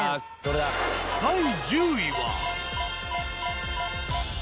第１０位は。